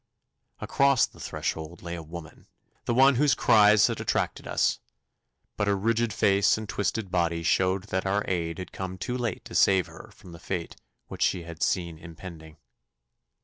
Across the threshold lay a woman, the one whose cries had attracted us, but her rigid face and twisted body showed that our aid had come too late to save her from the fate which she had seen impending.